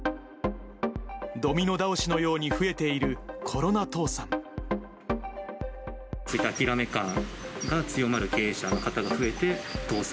ドミノ倒しのように増えているコロナ倒産。